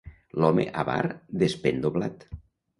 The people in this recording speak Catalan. L'home avar despèn doblat.